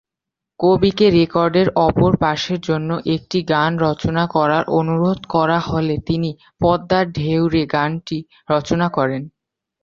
কবিকে রেকর্ডের অপর পাশের জন্য একটি গান রচনা করার অনুরোধ করা হলে তিনি "পদ্মার ঢেউ রে" গানটি রচনা করেন।